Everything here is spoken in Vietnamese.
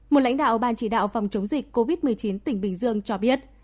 một lãnh đạo ban chỉ đạo phòng chống dịch covid một mươi chín tỉnh bình dương cho biết